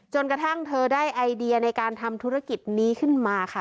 จนกระทั่งเธอได้ไอเดียในการทำธุรกิจนี้ขึ้นมาค่ะ